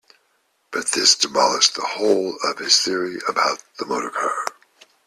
But this demolished the whole of his theory about the motorcar.